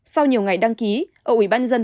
sau nhiều ngày đăng ký ở ủy ban dân